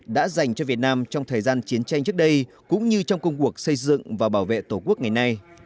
đã dành cho việt nam trong thời gian chiến tranh trước đây cũng như trong công cuộc xây dựng và bảo vệ tổ quốc ngày nay